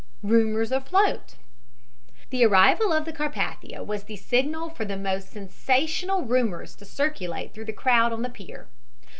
RUMORS AFLOAT The arrival of the Carpathia was the signal for the most sensational rumors to circulate through the crowd on the pier.